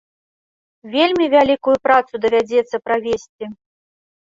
Вельмі вялікую працу давядзецца правесці.